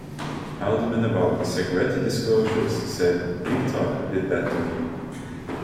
Haldeman about the Segretti disclosures, said, Dick Tuck did that to me.